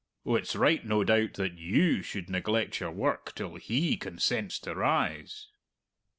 Oh, it's right, no doubt, that you should neglect your work till he consents to rise."